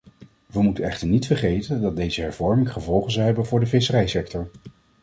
We moeten echter niet vergeten dat deze hervorming gevolgen zal hebben voor de visserijsector.